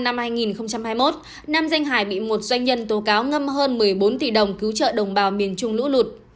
năm hai nghìn hai mươi một nam danh hải bị một doanh nhân tố cáo ngâm hơn một mươi bốn tỷ đồng cứu trợ đồng bào miền trung lũ lụt